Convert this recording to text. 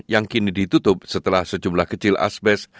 yang kini ditutup setelah sejumlah kecil asbest